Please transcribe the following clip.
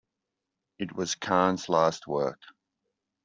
It was Kahn's last work.